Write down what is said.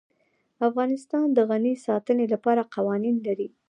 افغانستان د غزني د ساتنې لپاره قوانین لري.